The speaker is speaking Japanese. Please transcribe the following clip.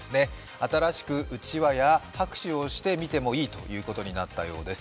新しくうちわや拍手をして見てもいいということになったようです。